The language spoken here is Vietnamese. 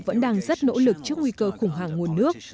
chính phủ ấn độ vẫn đang rất nỗ lực trước nguy cơ khủng hoảng nguồn nước